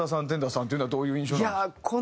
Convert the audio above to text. ＴＥＮＤＲＥさんっていうのはどういう印象なんですか？